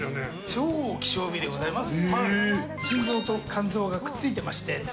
超希少部位でございます。